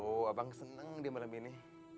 aduh abang seneng dia malam ini